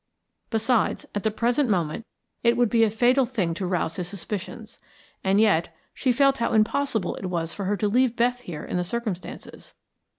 Besides, at the present moment it would be a fatal thing to rouse his suspicions. And yet, she felt how impossible it was for her to leave Beth here in the circumstances.